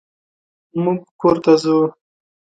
مونږ کور ته ځو.